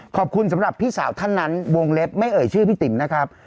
สำหรับพี่สาวท่านนั้นวงเล็บไม่เอ่ยชื่อพี่ติ๋มนะครับ